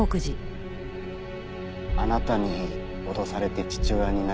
あなたに脅されて父親に泣きついた。